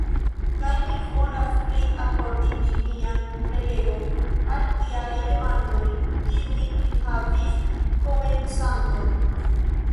Kaj mi volas pli akordigi mian prelegon al tiaj demandoj, kiujn enhavis komencantoj.